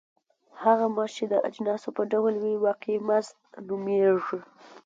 هغه مزد چې د اجناسو په ډول وي واقعي مزد نومېږي